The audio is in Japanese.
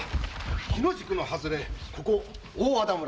日野宿の外れ大和田村。